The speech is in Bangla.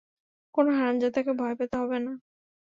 কোনো হারামজাদাকে ভয় পেতে হবে না!